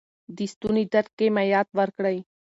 د ستوني درد کې مایعات ورکړئ.